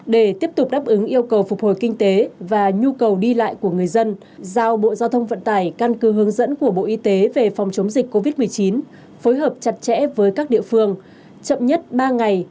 để tiếp tục đáp ứng yêu cầu phục hồi kinh tế và nhu cầu đi lại của người dân giao bộ giao thông vận tải căn cứ hướng dẫn của bộ y tế về phòng chống dịch covid một mươi chín phối hợp chặt chẽ với các địa phương chậm nhất ba ngày